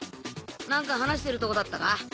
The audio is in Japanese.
なんか話してるとこだったか？